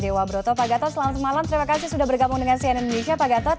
dewa broto pak gatot selamat malam terima kasih sudah bergabung dengan cn indonesia pak gatot